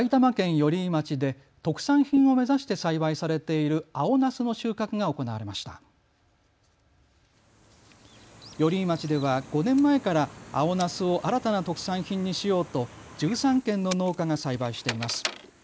寄居町では５年前から青なすを新たな特産品にしようと１３軒の農家が栽培しています。